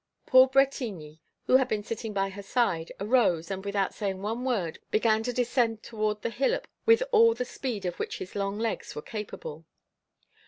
Paul Bretigny, who had been sitting by her side, arose, and, without saying one word, began to descend toward the hillock with all the speed of which his long legs were capable.